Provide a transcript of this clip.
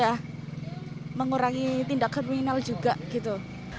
ya mengurangi tindak kriminal juga gitu